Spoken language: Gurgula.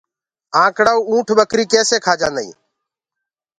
آنڪڙآئو اُنٺ ٻڪري ڪيسي کآ جآندآئين